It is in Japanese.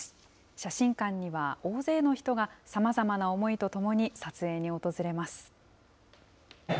写真館には大勢の人がさまざまな思いと共に撮影に訪れます。